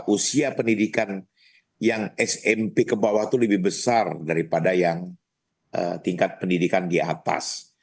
usia pendidikan yang smp ke bawah itu lebih besar daripada yang tingkat pendidikan di atas